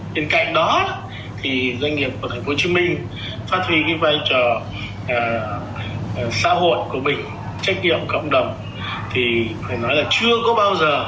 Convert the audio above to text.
bên cạnh đó doanh nghiệp ở tp hcm phát huy cái vai trò xã hội của mình trách nhiệm của cộng đồng thì phải nói là chưa có bao giờ